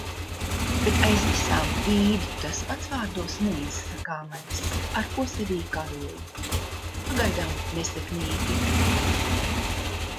Bet aiz visām vīd tas pats vārdos neizsakāmais, ar ko sevī karoju. Pagaidām nesekmīgi.